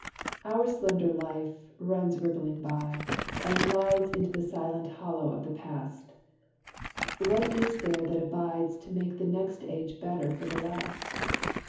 IV Our slender life runs rippling by, and glides Into the silent hollow of the past; What is there that abides To make the next age better for the last?